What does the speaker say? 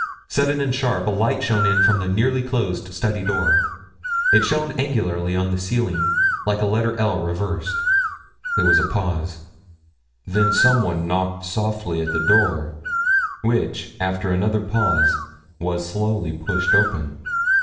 Sudden and sharp, a light shone in from the nearly closed study door. It shone angularly on the ceiling like a letter L reversed. There was a pause. Then some one knocked softly at the door, which after another pause was slowly pushed open.